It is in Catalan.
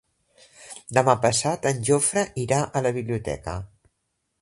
Demà passat en Jofre irà a la biblioteca.